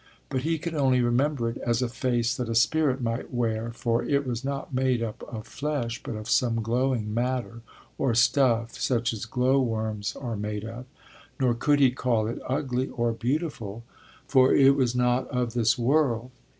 But he could only remember it as a face that a spirit might wear, for it was not made up of flesh but of some glowing matter or stuff, such as glow worms are made of; nor could he call it ugly or beautiful, for it was not of this world.